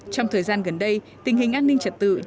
trong thời gian gần đây tình hình an ninh trật tự trên tuyến